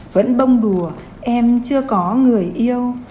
vẫn bông đùa em chưa có người yêu